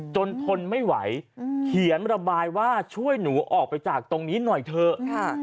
ทนไม่ไหวเขียนระบายว่าช่วยหนูออกไปจากตรงนี้หน่อยเถอะ